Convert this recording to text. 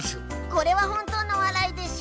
これは本当の笑いでしょう。